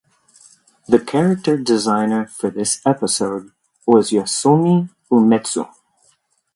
The character designer for this episode was Yasuomi Umetsu.